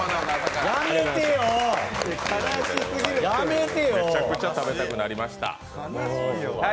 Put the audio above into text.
めちゃくちゃ食べたくなりました。